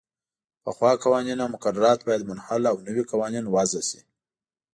پخوا قوانین او مقررات باید منحل او نوي قوانین وضعه شي.